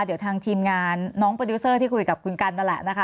เดี๋ยวทางทีมงานน้องโปรดิวเซอร์ที่คุยกับคุณกันนั่นแหละนะคะ